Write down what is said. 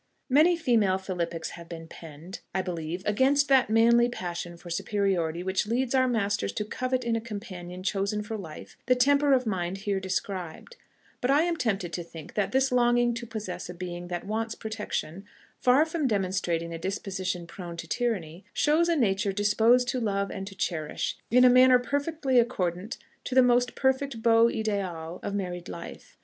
Many female philippics have been penned, I believe, against that manly passion for superiority which leads our masters to covet in a companion chosen for life the temper of mind here described; but I am tempted to think that this longing to possess a being that wants protection, far from demonstrating a disposition prone to tyranny, shows a nature disposed to love and to cherish, in a manner perfectly accordant to the most perfect beau idéal of married life.